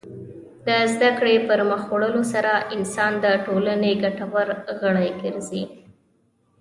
د زدهکړې پرمخ وړلو سره انسان د ټولنې ګټور غړی ګرځي.